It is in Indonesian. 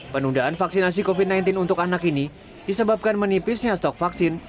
penundaan vaksinasi covid sembilan belas untuk anak ini disebabkan menipisnya stok vaksin